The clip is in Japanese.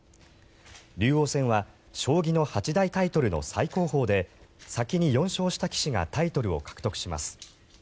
竜王戦は将棋の八大タイトルの最高峰で先に４勝した棋士がタイトルを獲得します。